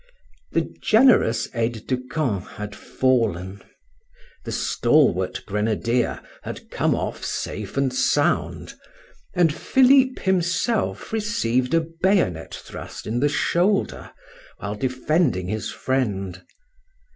The generous aide de camp had fallen; the stalwart grenadier had come off safe and sound; and Philip himself received a bayonet thrust in the shoulder while defending his friend.